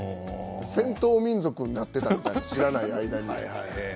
戦闘民族になっていたみたい知らない間に。